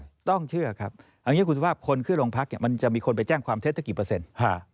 เชื่อก่อนต้องเชื่อครับอย่างนี้คุณสมภาพคนเข้าลงพักมันจะมีคนไปแจ้งความเท็จกี่เปอร์เซ็นต์